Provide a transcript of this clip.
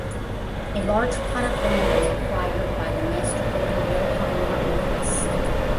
A large plot of land was acquired by the master builder Johan Martin Quist.